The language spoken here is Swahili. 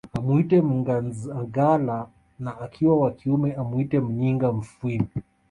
Amuite Mnganzagala na akiwa wa kiume amwite Muyinga Mufwimi